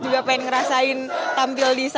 juga pengen ngerasain tampil di